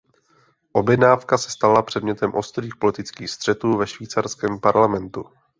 Objednávka se stala předmětem ostrých politických střetů ve švýcarském parlamentu.